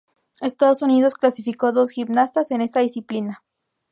Estados Unidos clasificó dos gimnastas en esta disciplina.